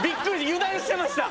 油断してました。